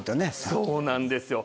そうなんですよ。